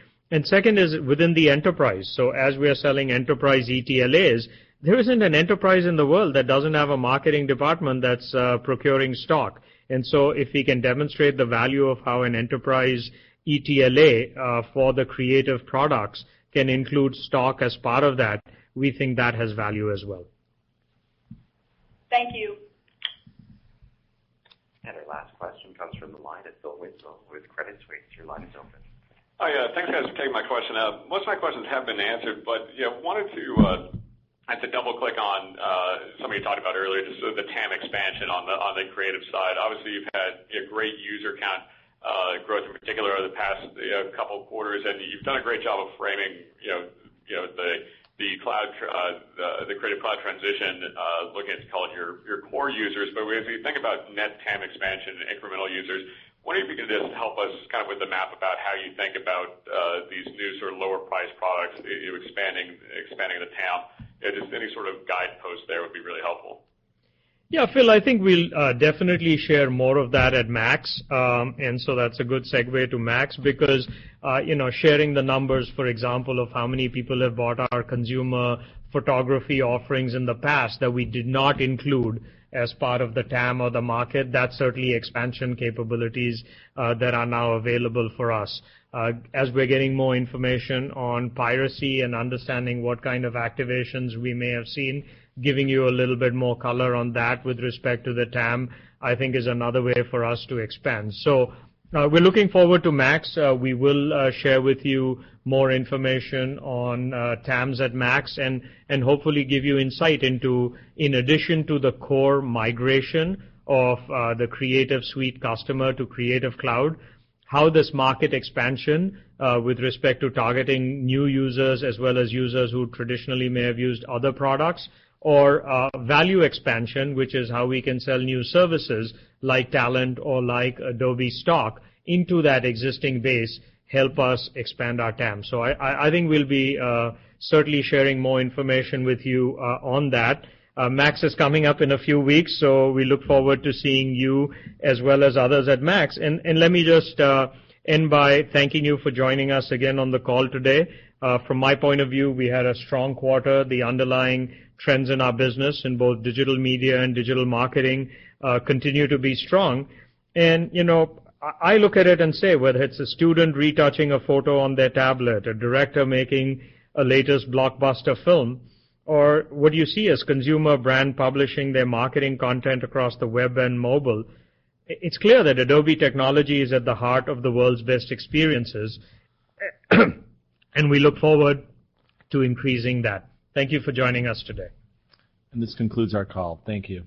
Second is within the enterprise. As we are selling enterprise ETLAs, there isn't an enterprise in the world that doesn't have a marketing department that's procuring Stock. If we can demonstrate the value of how an enterprise ETLA for the creative products can include Stock as part of that, we think that has value as well. Thank you. Our last question comes from the line at Phil Winslow with Credit Suisse. Your line is open. Hi. Yeah, thanks guys for taking my question. Most of my questions have been answered, but I have to double-click on something you talked about earlier, just sort of the TAM expansion on the Creative side. Obviously, you've had a great user count growth, in particular, over the past couple of quarters, and you've done a great job of framing the Creative Cloud transition, looking at, call it, your core users. As we think about net TAM expansion and incremental users, wondering if you could just help us kind of with the map about how you think about these new sort of lower-priced products, you expanding the TAM. Any sort of guidepost there would be really helpful. Yeah, Phil, I think we'll definitely share more of that at MAX. That's a good segue to MAX because sharing the numbers, for example, of how many people have bought our consumer photography offerings in the past that we did not include as part of the TAM or the market, that's certainly expansion capabilities that are now available for us. As we're getting more information on piracy and understanding what kind of activations we may have seen, giving you a little bit more color on that with respect to the TAM, I think is another way for us to expand. We're looking forward to MAX. We will share with you more information on TAMs at MAX, and hopefully give you insight into, in addition to the core migration of the Creative Suite customer to Creative Cloud, how this market expansion with respect to targeting new users as well as users who traditionally may have used other products, or value expansion, which is how we can sell new services like Talent or like Adobe Stock into that existing base, help us expand our TAM. I think we'll be certainly sharing more information with you on that. MAX is coming up in a few weeks, so we look forward to seeing you as well as others at MAX. Let me just end by thanking you for joining us again on the call today. From my point of view, we had a strong quarter. The underlying trends in our business in both Digital Media and Digital Marketing continue to be strong. I look at it and say, whether it's a student retouching a photo on their tablet, a director making a latest blockbuster film, or what you see as consumer brand publishing their marketing content across the web and mobile, it's clear that Adobe technology is at the heart of the world's best experiences. We look forward to increasing that. Thank you for joining us today. This concludes our call. Thank you.